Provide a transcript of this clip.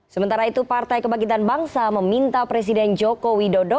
sementara itu partai kebagitan bangsa meminta presiden jokowi dodo